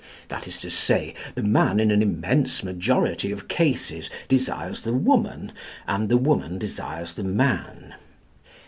That is to say, the man in an immense majority of cases desires the woman, and the woman desires the man.